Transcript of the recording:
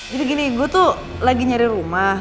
jadi gini gue tuh lagi nyari rumah